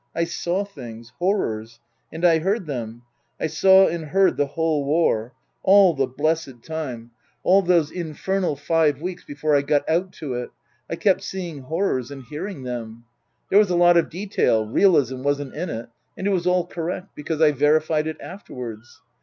" I saw things horrors. And I heard them. I saw and heard the whole war. All the blessed time all those Book III: His Book 835 infernal five weeks before I got out to it, I kept seeing horrors and hearing them. There was a lot of detail realism wasn't in it and it was all correct ; because I verified it afterwards.